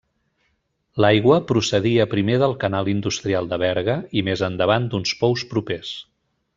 L'aigua procedia primer del canal industrial de Berga, i més endavant d'uns pous propers.